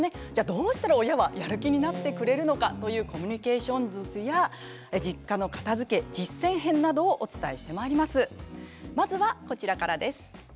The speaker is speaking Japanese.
どうしたらやる気になってくれるのかというコミュニケーション術や実家の片づけ実践編などをお伝えしてまいります。